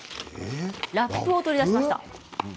ラップを取り出しました。